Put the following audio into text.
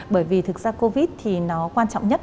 bởi vì thực ra covid thì nó quan trọng nhất